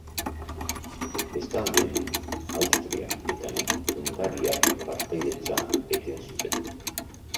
Bestalde, Austria eta Hungariak partaidetza eten zuten.